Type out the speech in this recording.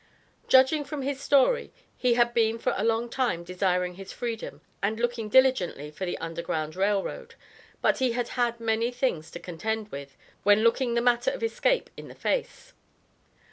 Judging from his story he had been for a long time desiring his freedom and looking diligently for the Underground Rail Road, but he had had many things to contend with when looking the matter of escape in the face.